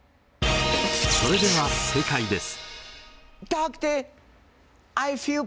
それでは正解です。